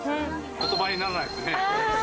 ことばにならないですね。